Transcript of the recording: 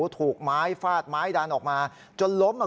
ถูกไม้ฟาดไม้ดันออกมาจนล้มอ่ะ